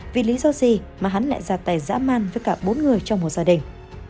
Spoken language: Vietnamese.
vì lý do gì mà hắn lại ra tài dã man với cả bốn người trong một gia đình